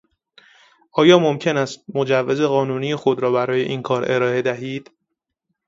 آیا ممکن است مجوز قانونی خود را برای این کار ارائه دهید؟